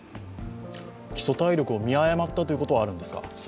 基礎体力を見誤ったということもあるんですか？